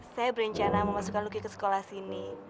saya berencana memasukkan luki ke sekolah sini